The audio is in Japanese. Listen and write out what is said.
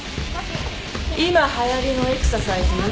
今流行りのエクササイズよ。